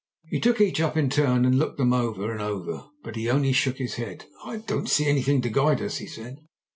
He took each up in turn and looked them over and over. But he only shook his head. "I don't see anything to guide us," he said.